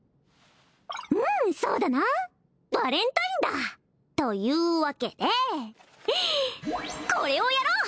うんそうだなバレンタインだというわけでこれをやろう！